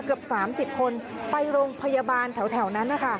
เกือบ๓๐คนไปโรงพยาบาลแถวนั้นนะคะ